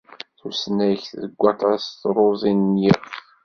Tusnakt degs aṭas truẓi n yiɣef.